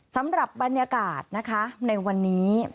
สำหรับบรรยากาศนะคะในวันนี้